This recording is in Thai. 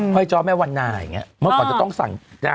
ห้อยจ้อแม่วันนาอย่างนี้เมื่อก่อนจะต้องสั่ง